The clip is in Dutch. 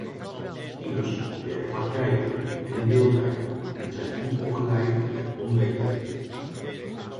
Tieners werken vaak tijdelijk en in deeltijd en zijn onopgeleid en onwetend.